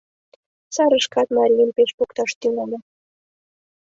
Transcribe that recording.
Сарышкат марийым пеш покташ тӱҥале.